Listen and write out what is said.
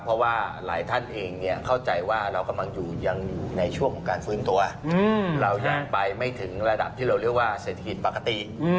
เพราะว่าหลายท่านเองเข้าใจว่าเรากำลังอยู่ยังอยู่ในช่วงของการฟื้นตัวเรายังไปไม่ถึงระดับที่เราเรียกว่าเศรษฐกิจปกติ